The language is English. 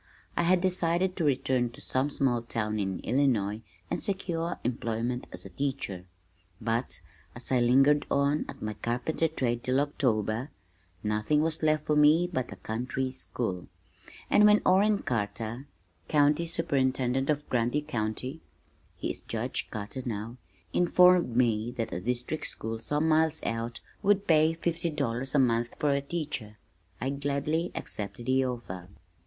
I had decided to return to some small town in Illinois and secure employment as a teacher, but as I lingered on at my carpenter trade till October nothing was left for me but a country school, and when Orrin Carter, county superintendent of Grundy County, (he is Judge Carter now) informed me that a district school some miles out would pay fifty dollars a month for a teacher, I gladly accepted the offer.